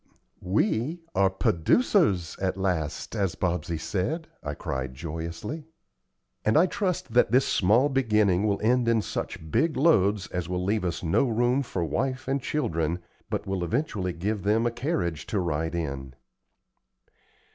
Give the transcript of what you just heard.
"We are 'p'oducers,' at last, as Bobsey said," I cried, joyously. "And I trust that this small beginning will end in such big loads as will leave us no room for wife and children, but will eventually give them a carriage to ride in."